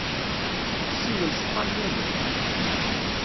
Ssiwel s tṭalyanit!